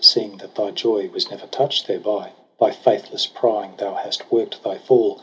Seeing that thy joy was never touch'd thereby. By faithless prying thou hast work'd thy fall.